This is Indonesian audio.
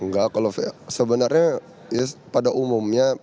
enggak kalau sebenarnya pada umumnya